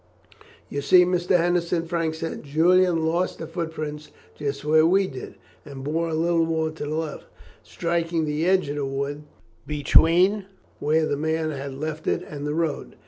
"You see, Mr. Henderson," Frank said, "Julian lost the footprints just where we did, and bore a little more to the left, striking the edge of the wood between where the man had left it and the road.